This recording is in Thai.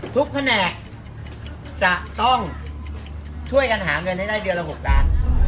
แผนกจะต้องช่วยกันหาเงินให้ได้เดือนละ๖ล้าน